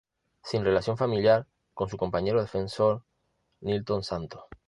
Sin relación familiar con su compañero defensor Nilton Santos.